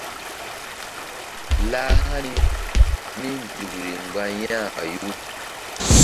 Lah hani míhi̧nzukri mgba yah ɓayu.